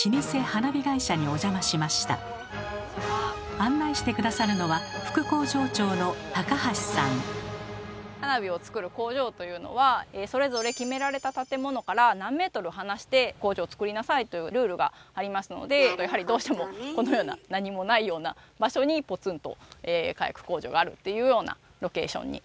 案内して下さるのは花火を作る工場というのはそれぞれ決められた建物から何メートル離して工場をつくりなさいというルールがありますのでやはりどうしてもこのような何もないような場所にポツンと火薬工場があるっていうようなロケーションになりますね。